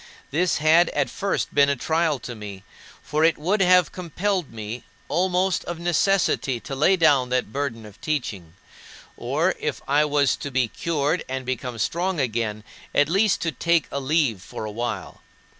This had at first been a trial to me, for it would have compelled me almost of necessity to lay down that burden of teaching; or, if I was to be cured and become strong again, at least to take a leave for a while.